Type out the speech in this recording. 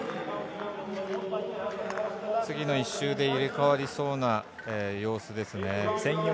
次の１周で入れ代わりそうな様子ですね。